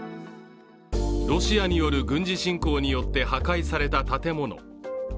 ロシアによる軍事侵攻によって破壊された建物。